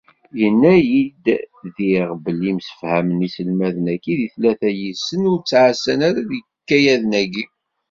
Yenna-d diɣ belli msefhamen, iselmaden-agi deg tlata yid-sen ur ttɛassan ara deg yikayaden-agi.